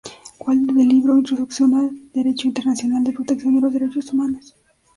Coautor del libro Introducción al Derecho Internacional de Protección de los Derechos Humanos.